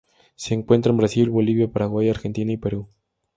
Se encuentra en Brasil, Bolivia, Paraguay, Argentina y Perú.